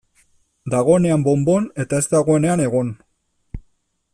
Dagoenean bon-bon, eta ez dagoenean egon.